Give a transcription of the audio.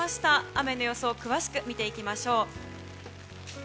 雨の予想を詳しく見ていきましょう。